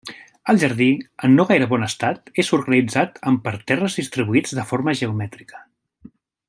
El jardí, en no gaire bon estat, és organitzat en parterres distribuïts de forma geomètrica.